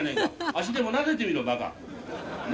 足でもなでてみろバカなぁ？